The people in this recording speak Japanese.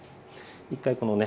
１回このね